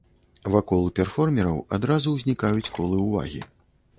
Вакол перформераў адразу ўзнікаюць колы ўвагі.